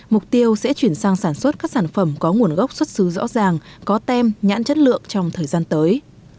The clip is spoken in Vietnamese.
mục tiêu sẽ chuyển sang sản xuất các sản phẩm có nguồn gốc xuất xứ rõ ràng có tem nhãn chất lượng trong thời gian tới